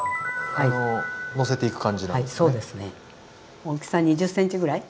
大きさ２０ｃｍぐらい。